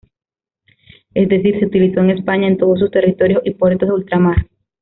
Es decir se utilizó en España, en todos sus territorios y puertos de ultramar.